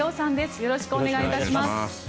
よろしくお願いします。